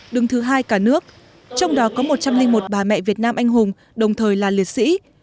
đứng thứ hai cả nước trong đó có một trăm linh một bà mẹ việt nam anh hùng đồng thời là liệt sĩ